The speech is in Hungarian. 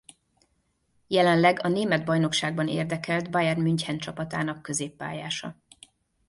Jelenleg a német bajnokságban érdekelt Bayern München csapatának középpályása.